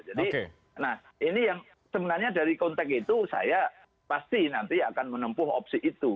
jadi nah ini yang sebenarnya dari konteks itu saya pasti nanti akan menempuh opsi itu